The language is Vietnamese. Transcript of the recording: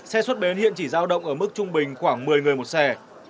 xe xuất bến hiện chỉ giao động ở mức trung bình khoảng một mươi người một xe